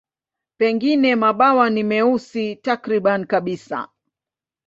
Pengine mabawa ni meusi takriban kabisa.